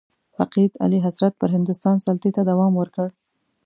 فقید اعلیحضرت پر هندوستان سلطې ته دوام ورکړ.